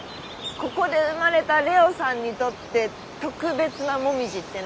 ここで生まれた怜央さんにとって特別な紅葉ってない？